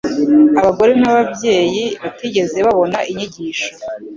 Abagore n’ababyeyi batigeze babona inyigisho